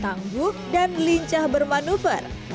tangguh dan lincah bermanufa